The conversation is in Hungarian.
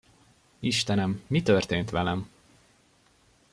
Istenem, mi történt velem?